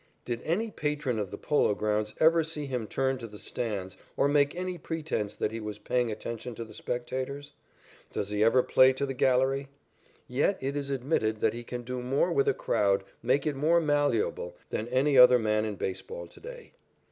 Did any patron of the Polo Grounds ever see him turn to the stands or make any pretence that he was paying attention to the spectators? Does he ever play to the gallery? Yet it is admitted that he can do more with a crowd, make it more malleable, than any other man in baseball to day.